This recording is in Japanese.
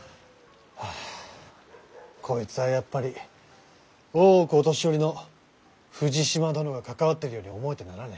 こいつはやっぱり大奥御年寄の富士島殿が関わってるように思えてならねえ。